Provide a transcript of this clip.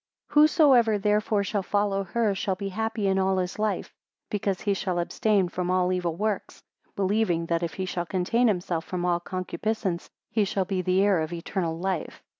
86 Whosoever therefore shall follow her shall be happy in all his life, because he shall abstain from all evil works, believing that if he shall contain himself from all concupiscence, he shall be the heir of eternal life.